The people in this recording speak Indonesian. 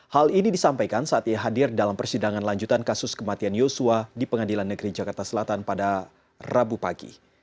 hal ini disampaikan saat ia hadir dalam persidangan lanjutan kasus kematian yosua di pengadilan negeri jakarta selatan pada rabu pagi